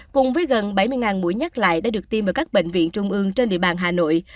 cùng với gần bảy mươi buổi nhắc lại đã được tiêm vào các bệnh viện trung ương trên địa bàn hà nội